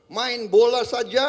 main bola saja